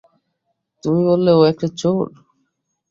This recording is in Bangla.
তুমি বললে ও একটা চোর!